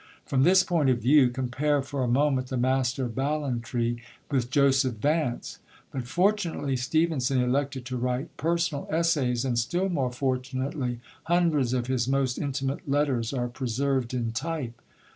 From this point of view, compare for a moment The Master of Ballantræ with Joseph Vance! But fortunately, Stevenson elected to write personal essays; and still more fortunately, hundreds of his most intimate letters are preserved in type.